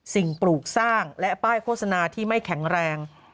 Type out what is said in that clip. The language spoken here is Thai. ปลูกสร้างและป้ายโฆษณาที่ไม่แข็งแรง